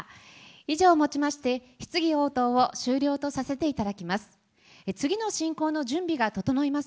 以上をもちまして、質疑応答を終了とさせていただきます。